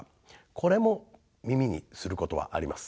これも耳にすることはあります。